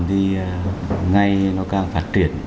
thì ngay nó càng phát triển